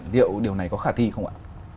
liệu điều này có khả thi không ạ